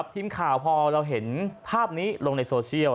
ทีมข่าวพอเราเห็นภาพนี้ลงในโซเชียล